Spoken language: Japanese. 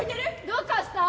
どうかした？